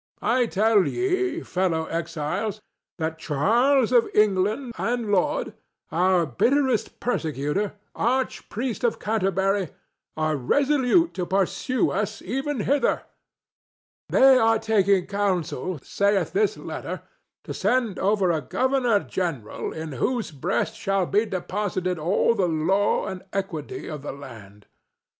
—I tell ye, fellow exiles, that Charles of England and Laud, our bitterest persecutor, arch priest of Canterbury, are resolute to pursue us even hither. They are taking counsel, saith this letter, to send over a governor general in whose breast shall be deposited all the law and equity of the land.